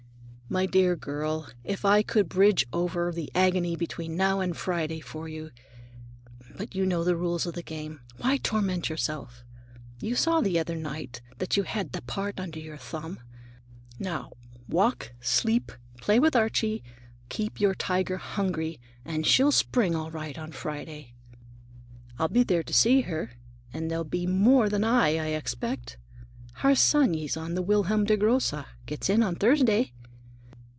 "My dear girl, if I could bridge over the agony between now and Friday for you—But you know the rules of the game; why torment yourself? You saw the other night that you had the part under your thumb. Now walk, sleep, play with Archie, keep your tiger hungry, and she'll spring all right on Friday. I'll be there to see her, and there'll be more than I, I suspect. Harsanyi's on the Wilhelm der Grosse; gets in on Thursday."